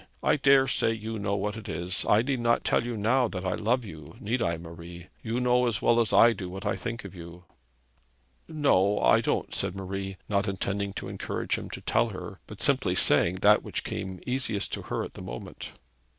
I daresay you know what it is. I need not tell you now that I love you, need I, Marie? You know as well as I do what I think of you.' 'No, I don't,' said Marie, not intending to encourage him to tell her, but simply saying that which came easiest to her at the moment.